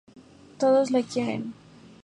Todos le quieren.